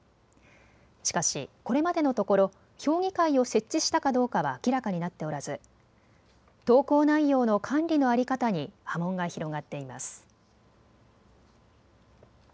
しかしこれまでのところ評議会を設置したかどうかは明らかになっておらず投稿内容の管理の在り方に波紋が広がっています。